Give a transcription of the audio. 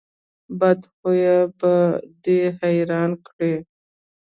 بد خوی به دې حیران کړي.